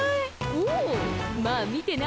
おうまあ見てな。